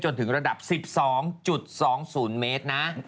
จนถึงระดับ๑๒๒๐เมตรนะ